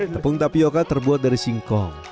tepung tapioca terbuat dari singkong